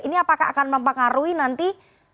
ini apakah akan mempengaruhi nanti